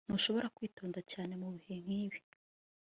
ntushobora kwitonda cyane mubihe nkibi